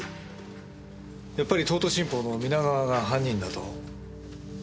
やっぱり東都新報の皆川が犯人だと？